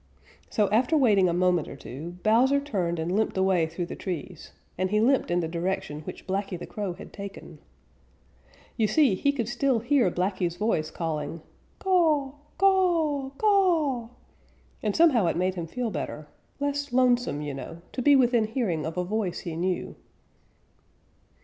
So, after waiting a moment or two, Bowser turned and limped away through the trees, and he limped in the direction which Blacky the Crow had taken. You see, he could still hear Blacky's voice calling "Caw, caw, caw", and somehow it made him feel better, less lonesome, you know, to be within hearing of a voice he knew.